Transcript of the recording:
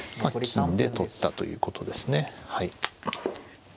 金で取ったということですねはい。